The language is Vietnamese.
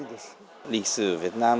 lịch sử của việt nam